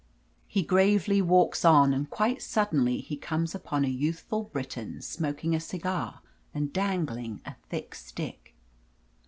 He gravely walks on, and quite suddenly he comes upon a youthful Briton smoking a cigar and dangling a thick stick.